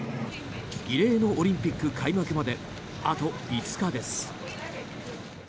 異例のオリンピック開幕まであと５日です。